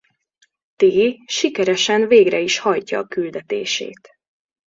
T sikeresen végre is hajtja a küldetését.